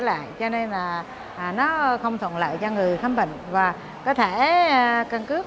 lại cho nên là nó không thuận lợi cho người khám bệnh và có thể căn cước